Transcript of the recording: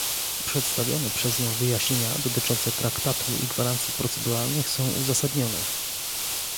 Przedstawione przez nią wyjaśnienia dotyczące traktatu i gwarancji proceduralnych są uzasadnione